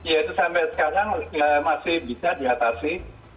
ya itu sampai sekarang masih bisa diatasi